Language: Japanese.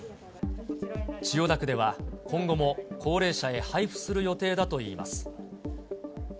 千代田区では、今後も高齢者へ配布する予定だといいます。